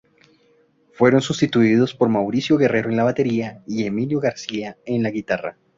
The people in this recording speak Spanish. Fueron sustituidos por Mauricio Guerrero en la batería y Emilio García en la guitarra.